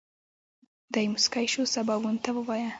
دی موسکی شو سباوون ته ووايه.